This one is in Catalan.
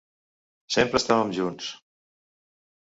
Sempre estàvem junts.